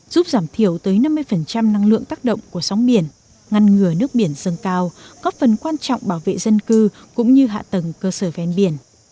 giúp giảm thiểu tới năm mươi năng lượng tác động của sóng biển ngăn ngừa nước biển dâng cao góp phần quan trọng bảo vệ dân cư cũng như hạ tầng cơ sở ven biển